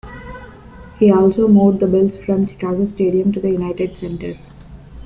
He also moved the Bulls from Chicago Stadium to the United Center.